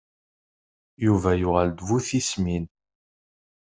Yuba yuɣal d bu tismin.